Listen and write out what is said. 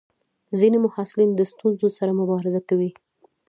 ځینې محصلین د ستونزو سره مبارزه کوي.